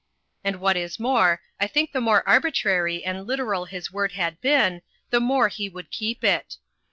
And what is more, I think the more arbitrary and literal his word had been, the more he would keep it.